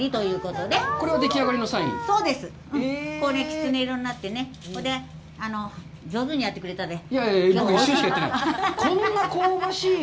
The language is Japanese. きつね色になってね、それで、上手にやってくれたで。